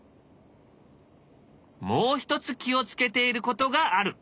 もう一つ気を付けていることがある。